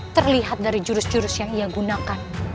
terlihat dari jurus jurus yang ia gunakan